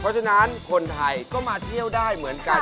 เพราะฉะนั้นคนไทยก็มาเที่ยวได้เหมือนกัน